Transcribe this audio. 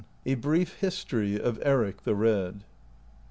A BRIEi^ HISTORY OF ERIC THE RED.